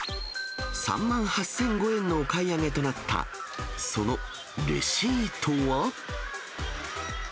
３万８００５円のお買い上げとなった、そのレシートは。